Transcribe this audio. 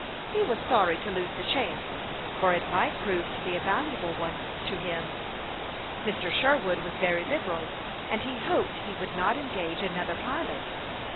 He was sorry to lose the chance, for it might prove to be a valuable one to him. Mr. Sherwood was very liberal, and he hoped he would not engage another pilot.